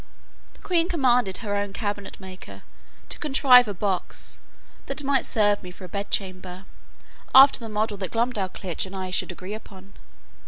The queen commanded her own cabinet maker to contrive a box, that might serve me for a bedchamber, after the model that Glumdalclitch and I should agree upon.